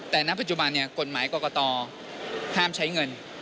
แต่ณปัจจุบันกฎหมายกรกตห้ามใช้เงิน